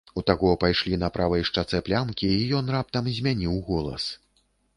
У таго пайшлі на правай шчацэ плямкі, і ён раптам змяніў голас.